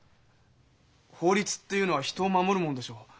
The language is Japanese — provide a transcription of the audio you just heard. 法律っていうのは人を守るもんでしょう？